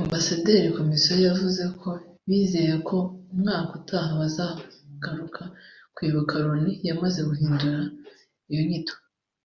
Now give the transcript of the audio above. Ambasaderi Kimonyo yavuze ko bizeye ko umwaka utaha bazagaruka kwibuka Loni yamaze guhindura iyo nyito